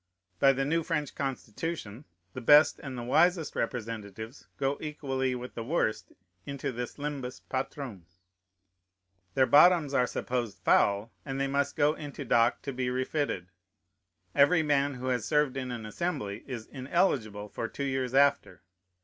By the new French Constitution the best and the wisest representatives go equally with the worst into this Limbus Patrum. Their bottoms are supposed foul, and they must go into dock to be refitted. Every man who has served in an Assembly is ineligible for two years after.